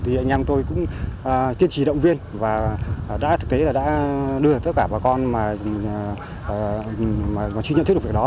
thì anh em tôi cũng tiên trì động viên và thực tế đã đưa tất cả bà con mà chưa nhận thức được việc đó